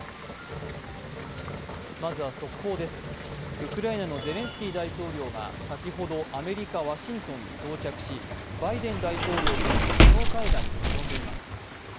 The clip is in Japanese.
ウクライナのゼレンスキー大統領が先ほどアメリカ・ワシントンに到着し、バイデン大統領との首脳会談に臨んでいます。